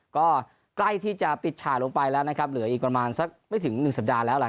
ก็ใกล้ที่จะปิดฉากลงไปแล้วนะครับเหลืออีกประมาณสักไม่ถึง๑สัปดาห์แล้วล่ะ